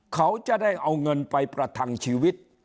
เขาจะได้เอาเงินไปประทังชีวิต